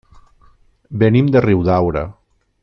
Venim de Riudaura.